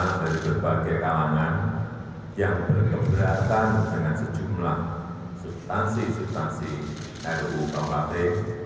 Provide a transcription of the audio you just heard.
di mana ada berbagai kalangan yang berkeberatan dengan sejumlah substansi substansi ru kampate